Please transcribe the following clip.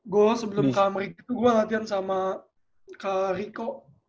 gue sebelum ke amerika itu gue latihan sama kak riko